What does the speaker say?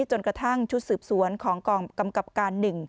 จนกระทั่งชุดสืบสวนของกองกำกับการ๑